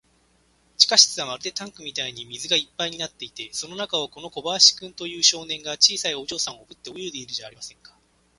地下室はまるでタンクみたいに水がいっぱいになっていて、その中を、この小林君という少年が、小さいお嬢さんをおぶって泳いでいるじゃありませんか。